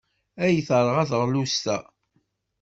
Ay, terɣa teɣlust-a!